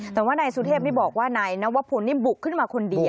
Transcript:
แต่ว่านายสุเทพนี่บอกว่านายนวพลนี่บุกขึ้นมาคนเดียว